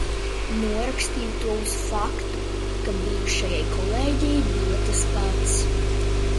Norakstīju to uz faktu, ka bijušajai kolēģei bija tas pats.